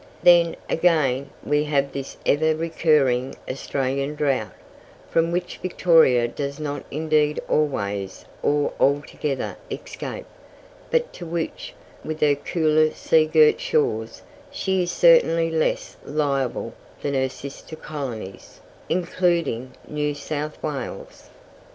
Then, again, we have this ever recurring Australian drought, from which Victoria does not indeed always or altogether escape, but to which, with her cooler sea girt shores, she is certainly less liable than her sister colonies, including New South Wales.